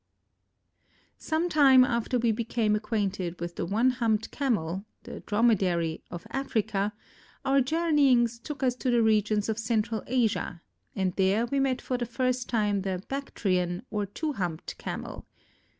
Some time after we became acquainted with the one humped Camel (the Dromedary) of Africa, our journeyings took us to the regions of Central Asia and there we met for the first time the Bactrian or two humped Camel.